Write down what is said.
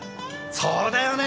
そうだよね。